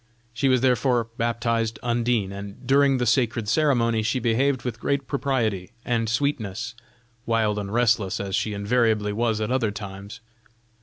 She was therefore baptized 'Undine,' and during the sacred ceremony she behaved with great propriety and sweetness, wild and restless as she invariably was at other times.